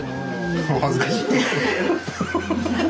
お恥ずかしい。